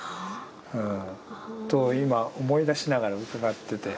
はあ。と今思い出しながら伺ってて。